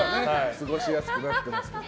過ごしやすくなってますけど。